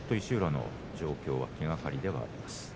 石浦の状況は気がかりでもあります。